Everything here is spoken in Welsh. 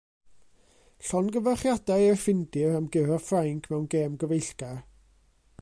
Llongyfarchiadau i'r Ffindir am guro Ffrainc mewn gêm gyfeillgar.